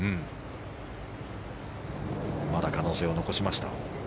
まだ可能性を残しました。